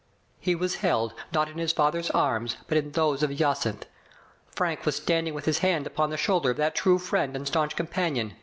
He was held, not in his father's arms, but in those of Jacynth. Frank was standing with his hand upon the shoulder of that true friend and stanch companion.